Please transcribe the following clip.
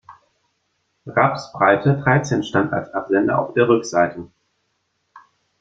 Rapsbreite dreizehn stand als Absender auf der Rückseite.